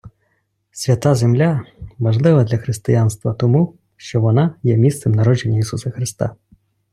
Свята Земля важлива для Християнства тому, що вона є місцем народження Ісуса Христа.